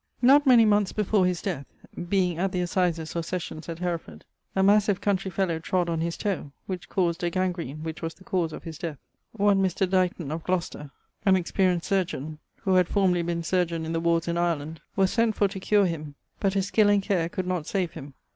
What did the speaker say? Not many moneths before his death (being at the assises or sessions at Hereford) a massive countrey fellowe trod on his toe, which caused a gangrene which was the cause of his death. One Mr. Dighton[CXXXIV.] of Glocester (an experienced chirurgian who had formerly been chirurgian in the warres in Ireland) was sent for to cure him; but his skill and care could not save him.